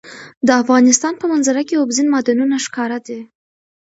د افغانستان په منظره کې اوبزین معدنونه ښکاره ده.